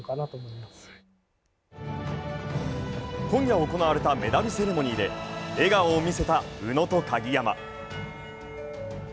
今夜行われたメダルセレモニーで笑顔を見せた宇野と鍵山。